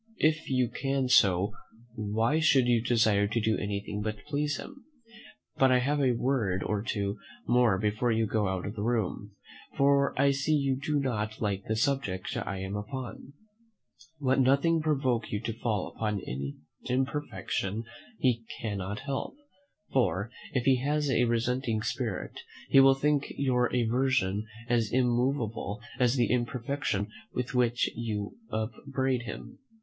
"If you can so, why should you desire to do anything but please him? But I have a word or two more before you go out of the room; for I see you do not like the subject I am upon: let nothing provoke you to fall upon an imperfection he cannot help; for, if he has a resenting spirit, he will think your aversion as immovable as the imperfection with which you upbraid him.